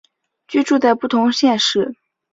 居住在不同县市